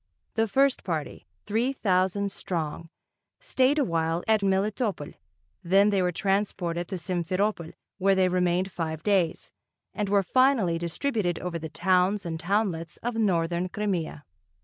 The first party, three thousand strong, stayed a while at Melitopol, then they were transported to Simferopol where they remained five days, and were finally distributed over the towns and townlets of northern Crimea.